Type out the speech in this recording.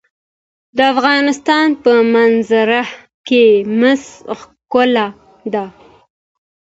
د افغانستان په منظره کې مس ښکاره ده.